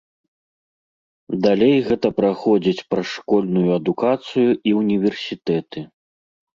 Далей гэта праходзіць праз школьную адукацыю і ўніверсітэты.